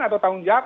atau tanggung jawab